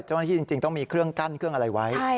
เจ้าหน้าที่จริงต้องมีเครื่องกั้นเครื่องอะไรไว้